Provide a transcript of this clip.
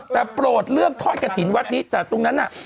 แต่โปรดเลือกทอดกระถิ่นวัดนี้แต่ตรงนั้นน่ะ